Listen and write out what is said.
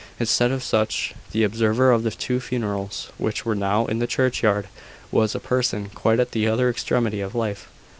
Instead of such, the observer of the two funerals which were now in the churchyard, was a person quite at the other extremity of life.